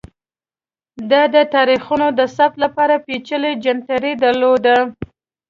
دا د تاریخونو د ثبت لپاره پېچلی جنتري درلوده